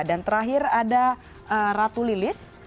dan terakhir ada ratu lilis